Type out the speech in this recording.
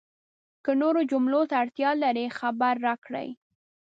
که نورو جملو ته اړتیا لرئ، خبر راکړئ!